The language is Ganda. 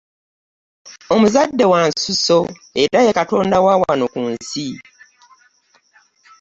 Omuzadde wa nsusso era ye Katonda wa wano ku nsi.